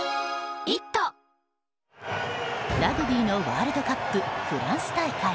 ラグビーのワールドカップフランス大会。